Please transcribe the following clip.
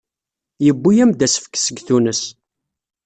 Yewwi-am-d asefk seg Tunes.